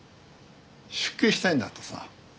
出家したいんだとさ。